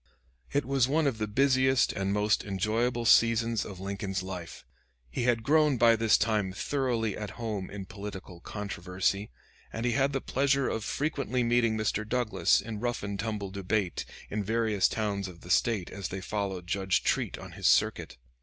It was one of the busiest and most enjoyable seasons of Lincoln's life. He had grown by this time thoroughly at home in political controversy, and he had the pleasure of frequently meeting Mr. Douglas in rough and tumble debate in various towns of the State as they followed Judge Treat on his circuit.